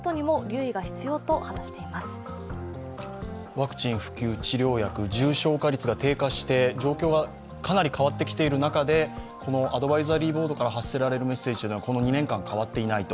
ワクチン普及、治療薬重症化率が低下して状況がかなり変わってきている中でこのアドバイザリーボードから発せられるメッセージはこの２年間変わっていないと。